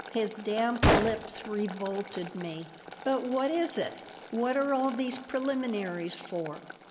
His damp lips revolted me "But what is it? What are all these preliminaries for?